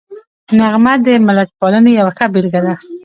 نغمه د ملتپالنې یوه ښه بېلګه ده